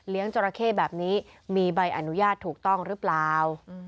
จราเข้แบบนี้มีใบอนุญาตถูกต้องหรือเปล่า